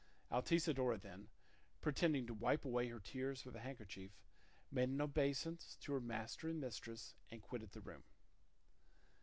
Altisidora then, pretending to wipe away her tears with a handkerchief, made an obeisance to her master and mistress and quitted the room.